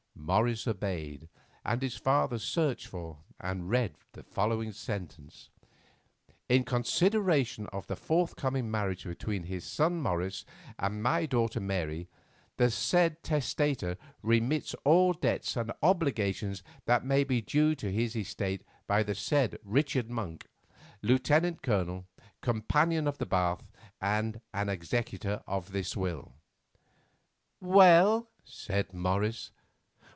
Morris obeyed, and his father searched for, and read the following sentence: "In consideration of the forthcoming marriage between his son Morris and my daughter Mary, the said testator remits all debts and obligations that may be due to his estate by the said Richard Monk, Lieutenant Colonel, Companion of the Bath, and an executor of this will." "Well," said Morris.